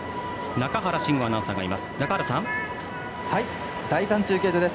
中原真吾アナウンサーがいます。